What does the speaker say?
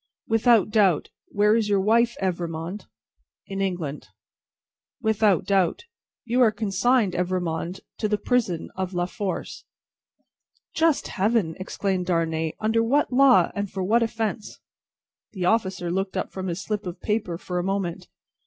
"Without doubt. Where is your wife, Evrémonde?" "In England." "Without doubt. You are consigned, Evrémonde, to the prison of La Force." "Just Heaven!" exclaimed Darnay. "Under what law, and for what offence?" The officer looked up from his slip of paper for a moment.